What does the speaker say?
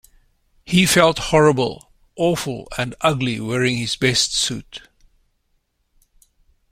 He felt horrible, awful, and ugly wearing his best suit.